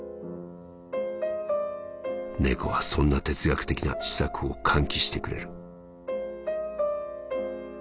「猫はそんな哲学的な思索を喚起してくれる」。